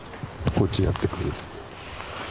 こっちへやって来る。